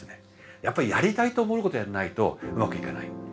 やっぱりやりたいと思うことやんないとうまくいかない。